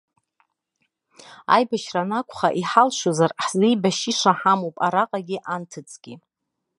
Аибашьра анакәха, иҳалшозар, ҳзеибашьыша ҳамоуп араҟагьы анҭыҵгьы.